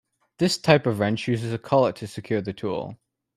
This type of wrench uses a collet to secure the tool.